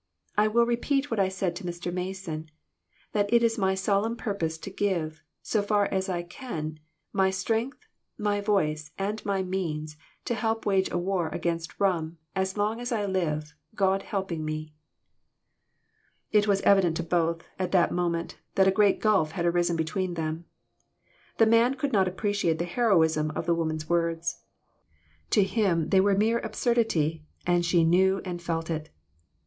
I will repeat what I said to Mr. Mason, that it is my solemn purpose to give, so far as I can, my strength, my voice and my means, to help wage a war against rum, as long as I live, God helping me !" It was evident to both, at that moment, that a great gulf had arisen between them. The man could not appreciate the heroism of the woman's words. To him they were mere absurdity, and she knew and felt it.